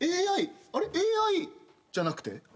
ＡＩＡＩじゃなくて？